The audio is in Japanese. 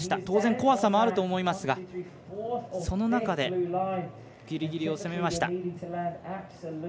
当然、怖さもあると思いますがその中でギリギリを攻めました。